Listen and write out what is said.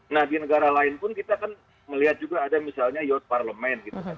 nah di negara lain pun kita kan melihat juga ada misalnya youth parlement gitu kan